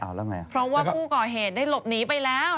เพราะว่าผู้ก่อเหตุยังได้ลบหนีไปแล้ว